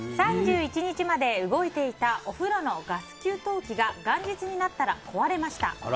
３１日まで動いていたお風呂のガス給湯器が元日になったら壊れました。